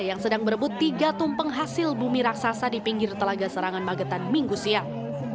yang sedang berebut tiga tumpeng hasil bumi raksasa di pinggir telaga serangan magetan minggu siang